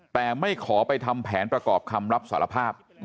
แต่ไม่ขอไปทำแผนประกอบคำรับสารภาพ